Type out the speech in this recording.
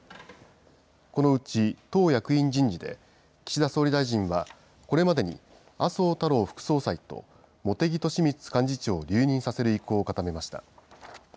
このうち党役員人事で、岸田総理大臣は、これまでに麻生太郎副総裁と茂木敏充幹事長を留任させる意向を固めました。